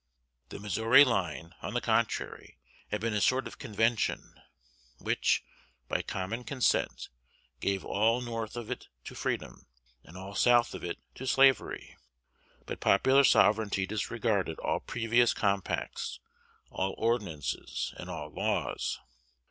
The Missouri line, on the contrary, had been a sort of convention, which, by common consent, gave all north of it to freedom, and all south of it to slavery. But popular sovereignty disregarded all previous compacts, all ordinances, and all laws.